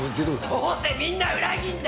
どうせみんな裏切んだよ！